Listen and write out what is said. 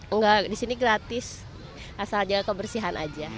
enggak di sini gratis asal jaga kebersihan aja